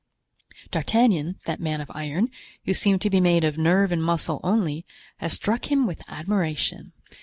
D'Artagnan, that man of iron, who seemed to be made of nerve and muscle only, had struck him with admiration.